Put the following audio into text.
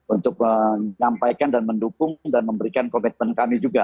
untuk menyampaikan dan mendukung dan memberikan komitmen kami juga